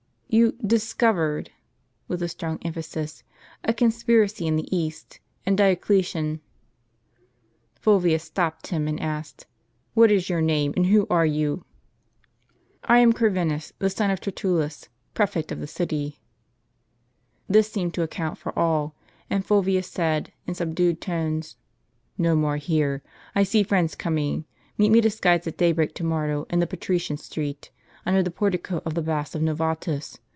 " "You discoverecV' (with a strong emphasis) "a conspiracy in the East, and Dioclesian —" Fulvius stopped him, and asked, " What is your name, and who are you ?"" I am Corvinus, the son of Tertullus, prefect of the city." This seemed to account for all; and Fulvius said, in subdued tones, "No more here; I see friends coming. Meet me disguised at daybreak to morrow in the Patrician Street,* under the portico of the Baths of Novatus.